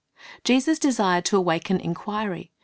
' Jesus desired to awaken inquiry.